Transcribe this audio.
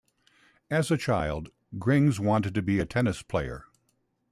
As a child, Grings wanted to be a tennis player.